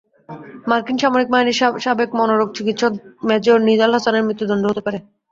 মার্কিন সামরিক বাহিনীর সাবেক মনোরোগ চিকিৎসক মেজর নিদাল হাসানের মৃত্যুদণ্ড হতে পারে।